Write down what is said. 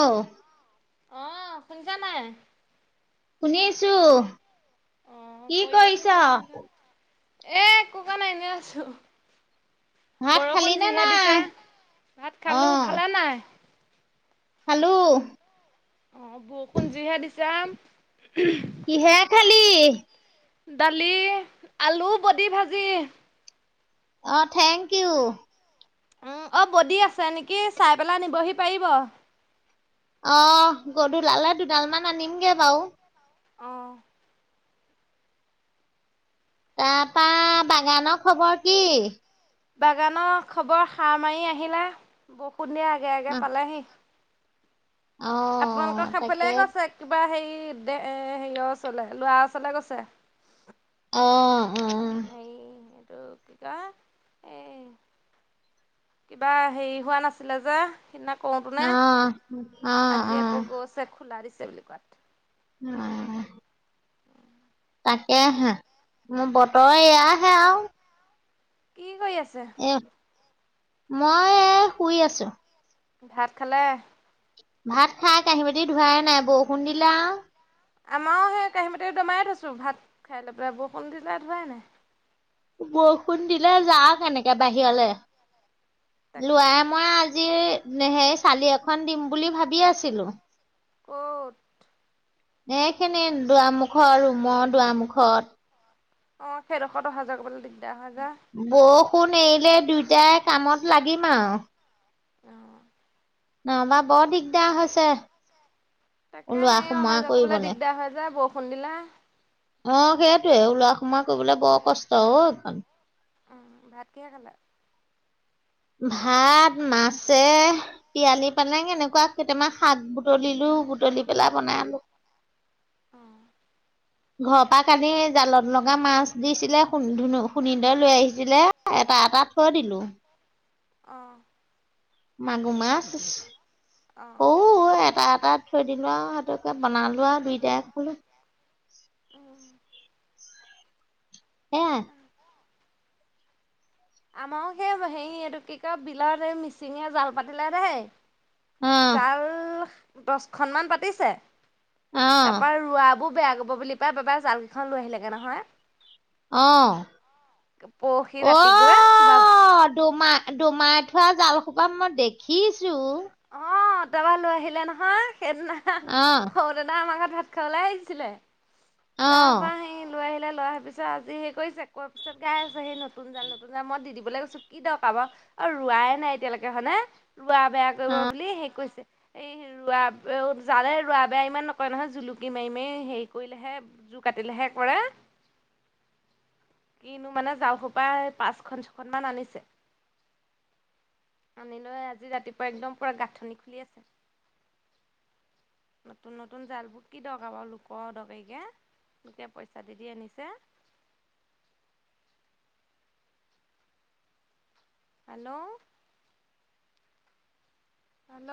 অহ আহ শুনিছা নাই? শুনিছোঁ অ', কি কৰি আছো কৰিছ? যোৱা নাই ঘৰ। এ একো কৰা নাই এনেই আছোঁ। ভাত খালি বৰষুণ নে যিহে নাই দিছে ভাত খালোঁ, খালা নাই? খালোঁ। অ বৰষুণ যিহে দিছাম। কিহে খালি। দালি আলু বদি ভাজি। অ থেংক ইউ। উম অ বডি আছে নেকি চাই পেলাই নিবহি পাৰিব। অ গধলালে দুডালমান আনিমগে বাও। অঁ। তাপা বাগানৰ খবৰ কি? বাগানৰ খবৰ সাৰ মাৰি আহিলে বৰষুণ দিয়া আগে আগে অ পালেহি। অ আপোনালোকৰ সাফালে তাকে গৈছে কিবা হেৰি। দে এ হেয়ৰ ওচলে ল'ৰা ওচলে গৈছে। অ। অ হেই এইটো কি কয় এ। কিবা হেৰি হোৱা নাছিলে যে। সিদিনা কওঁতো নে অ অ আজি অ আকৌ গৈছে খোলা দিছে বুলি কোৱাত। উম উম উম। তাকে হে মোৰ বতৰ এয়াহে আও। কি কৰি আছে। এ মই এ শুই আছো। ভাত খালে। ভাত খাই কাঁহী বাতি ধুৱায়ে নাই বৰষুণ দিলে আও। আমাৰও সেই কাঁহী বাটি দমাই থৈছো ভাত খাই লৈ পেলাই বৰষুণ দিলে ধোৱাই নাই। বৰষুণ দিলে যাও কেনেকে বাহিৰলৈ তাকে লোৱাই মই আজি সেই চালি এখন দিম বুলি ভাবি আছিলো। কট। এইখিনি দুৱামুখৰ ৰুমৰ দুৱামুখত। অ সেইডোখৰত অহা যোৱা কৰিবলৈ দিগদাৰ হয় যে, বৰষুণ এৰিলে দুইটাই কামত লাগিম আও অ। নাবা বৰ দিগদাৰ হৈছে। তাকে ওলোৱা সে অহা সোমোৱা যোৱা কৰিবলৈ কৰিবলে। দিগদাৰ হয় যে বৰষুণ দিলে। অ সেইটোৱে ওলোৱা সোমাৱ কৰিবলে বৰ কষ্ট অ এইখন। উম ভাতকিহে খালা? ভাত মাছে তিয়ালি পালেং এনেকুৱা কেইটামান শাক বুটলিলো। বুতলি পেলাই বনাই আলো। অ। ঘৰ পৰা কালি জালত লগা মাছ দিছিলে শু ধুন শুনি ধৰে লৈ আহিছিলে। এটা এটা থৈ দিলো। অঁ মাগোমাছ অ। ভাত থৈ দিলো আৰু সিহঁতকে বনালো আৰু দুইটায় খাই দিলো উম সেয়াই তাকেহে। আমাও সেই হেৰি এইটো কি কয় বিলত এই মিচিঙে জাল পাতিলে দেই আহ জাল দচখনমান পাতিছে আহ তাপা ৰোৱ বোৰ বেয়া কৰিব বুলি পাই বাবাই জাল কেইখন লৈ আহিলেগে নহয় অ পৰহি অ ৰাতি গৈ বা দুমা দুমাৰ। পাতি থোৱা জাল সোপা মই দেখিছো অ তাবা লৈ আহিলে নহয় সেইদিনা আহ সৰু দাদাই আমাৰ ঘৰত ভাত খাবলে ওলাই আহিছিলে তাৰ আহ পৰা সি লৈ আহিলে লাই‌ অহা পিছত আজি হেই কৰিছে কোৱাৰ পিছত গাই আছে সেই নতুন জাল নতুন জাল মই দি দিবলৈ গৈছো কি দৰকাৰ বাৰু অ ৰোৱাই নাই এতিয়ালৈকে হয়নে ৰোৱা বেয়া কৰিব বুলি সে কৈছে এই ৰোৱা জালে ৰোৱা বেয়া ইমান নকৰে নহয় জুলুকি মাৰি মাৰি হেৰি কৰিলেহে জোৰ কাটিলেহে কৰে। কিনো মানে যাও সো পৰা পাঁচখন ছখন মান আনিছে আনিলৈ আজি ৰাতিপুৱা একদম পুৰা গাঁঠনি খুলি আছে নতুন নতুন জালবোৰ কি দৰকাৰ বাৰু লোক দৰকাৰিকে এতিয়া পইচা দি দি আনিছে হেল্ল' হেল্ল'